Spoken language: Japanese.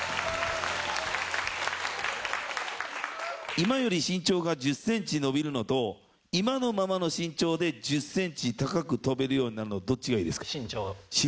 今より身長が１０ｃｍ伸びるのと今のままの身長で１０ｃｍ高く跳べるようになるのどっちがいいですか？